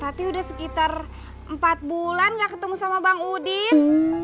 sati udah sekitar empat bulan gak ketemu sama bang udin